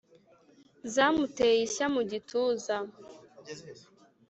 zamuteye ishya mu gituza